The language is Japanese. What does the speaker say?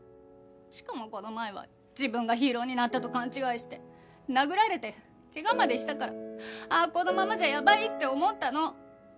しかもこの前は自分がヒーローになったと勘違いして殴られて怪我までしたからああこのままじゃやばいって思ったの。